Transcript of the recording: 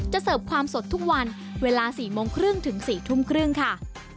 เสิร์ฟความสดทุกวันเวลา๔โมงครึ่งถึง๔ทุ่มครึ่งค่ะ